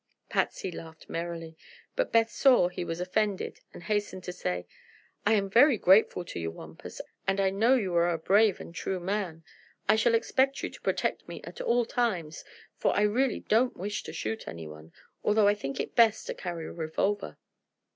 Patsy laughed merrily; but Beth saw he was offended and hastened to say: "I am very grateful to you, Wampus, and I know you are a brave and true man. I shall expect you to protect me at all times, for I really don't wish to shoot anyone, although I think it best to carry a revolver.